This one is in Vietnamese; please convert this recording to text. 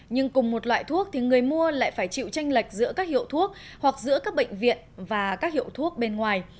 nhưng cùng một loại thuốc thì người mua lại phải chịu tranh lệch giữa các hiệu thuốc hoặc giữa các bệnh viện và các hiệu thuốc bên ngoài